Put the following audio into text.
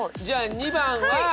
じゃあ２番は。